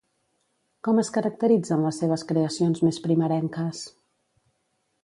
Com es caracteritzen les seves creacions més primerenques?